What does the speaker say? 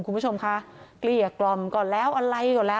คุณผู้ชมคะเกลี้ยกล่อมก่อนแล้วอะไรก่อนแล้ว